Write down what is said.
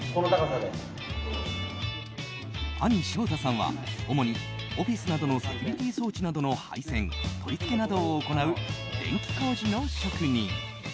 兄・祥太さんは主にオフィスなどのセキュリティー装置などの配線取り付けなどを行う電気工事の職人。